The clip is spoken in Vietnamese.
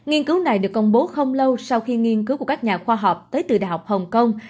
nghiên cứu này được công bố không lâu sau khi nghiên cứu của các nhà khoa học tới từ đại học hồng kông